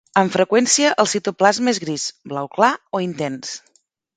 Amb freqüència, el citoplasma és gris, blau clar o intens.